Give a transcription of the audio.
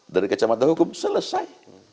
dari kecamatan hukum selesai